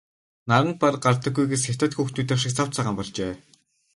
Наранд бараг гардаггүйгээс хятад хүүхнүүдийнх шиг цав цагаан болжээ.